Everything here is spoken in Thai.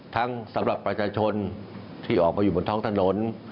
สำหรับประชาชนที่ออกมาอยู่บนท้องถนน